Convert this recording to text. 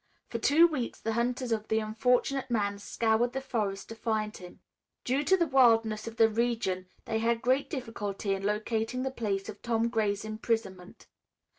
For two weeks the hunters of the unfortunate man scoured the forest to find him. Due to the wildness of the region they had great difficulty in locating the place of Tom Gray's imprisonment.